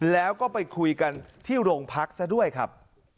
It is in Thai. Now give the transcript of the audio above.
แล้วก็ไปคุยกันที่โรงพักซะด้วยครับ